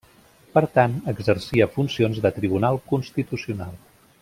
Per tant exercia funcions de tribunal constitucional.